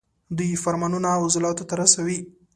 دوی فرمانونه عضلاتو ته رسوي.